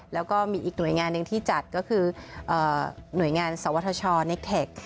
แล้วก็มีอีกหน่วยงานหนึ่งที่จัดก็คือหน่วยงานสวทชนิกเทค